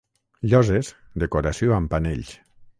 Lloses, decoració amb panells.